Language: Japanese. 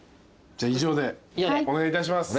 以上でお願いいたします。